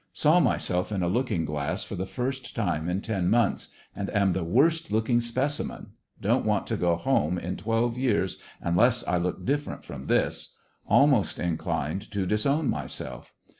Saw myself in a looking glass for the first time in ten months and am the worst looking specimen —don't want to go home in twelve years unless I look different from this; almost in clined to disown myself.